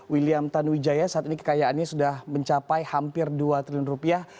william tanuwijaya saat ini kekayaannya sudah mencapai hampir dua triliun rupiah